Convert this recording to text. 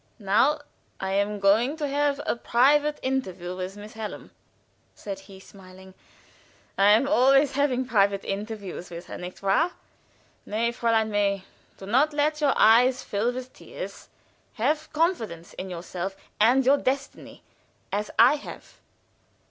"Now I am going to have a private interview with Miss Hallam," said he, smiling. "I am always having private interviews with her, nicht wahr? Nay, Fräulein May, do not let your eyes fill with tears. Have confidence in yourself and your destiny, as I have."